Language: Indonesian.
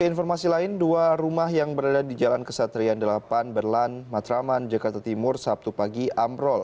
informasi lain dua rumah yang berada di jalan kesatrian delapan berlan matraman jakarta timur sabtu pagi amrol